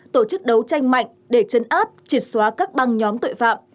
tổ chức đấu tranh mạnh để chấn áp triệt xóa các băng nhóm tội phạm